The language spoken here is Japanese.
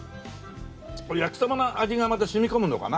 焼きそばの味がまた染み込むのかな。